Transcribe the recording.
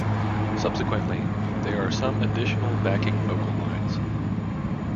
Subsequently, there are some additional backing vocal lines.